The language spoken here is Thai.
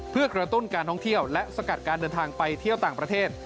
เพื่อกระตุ้นการท่องเที่ยวและสกัดการเดินทางไปเที่ยวต่างประเทศ